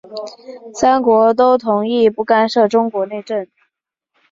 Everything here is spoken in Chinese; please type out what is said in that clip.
三国都同意不干涉中国内政。